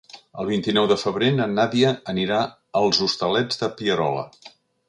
El vint-i-nou de febrer na Nàdia anirà als Hostalets de Pierola.